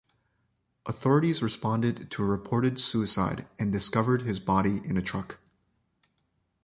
Authorities responded to a reported suicide and discovered his body in a truck.